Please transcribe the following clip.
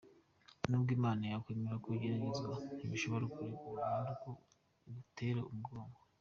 Nubwo Imana yakwemera ko ugeragezwa ntishobora kukureka burundu ngo igutere umugongo.